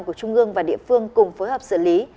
của trung ương và địa phương cùng phối hợp xử lý